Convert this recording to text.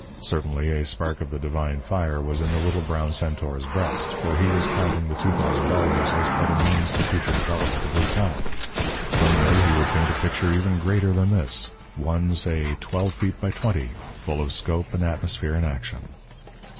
Certainly, a spark of the divine fire was in the little brown centaur's breast, for he was counting the two thousand dollars as but a means to future development of his talent. Some day he would paint a picture even greater than this one, say, twelve feet by twenty, full of scope and atmosphere and action.